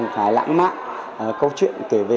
nhà hát nhạc vũ kịch việt nam